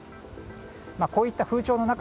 こういった風潮の中